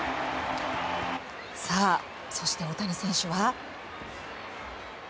さあ、そして大谷選手は。